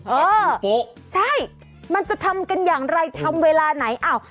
เออโป๊ะใช่มันจะทำกันอย่างไรทำเวลาไหนอ้าว